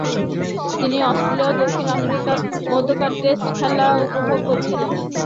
তিনি অস্ট্রেলিয়া-দক্ষিণ আফ্রিকার মধ্যকার টেস্ট খেলা উপভোগ করছিলেন।